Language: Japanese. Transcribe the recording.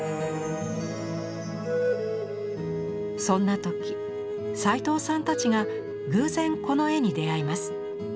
そんな時齋藤さんたちが偶然この絵に出会います。